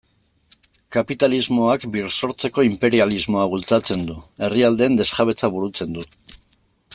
Kapitalismoak birsortzeko inperialismoa bultzatzen du, herrialdeen desjabetzea burutzen du...